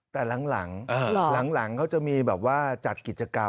แต่หลังหลังเขาจะมีแบบว่าจัดกิจกรรม